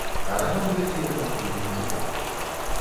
А раман гэты я пакуль не чытала.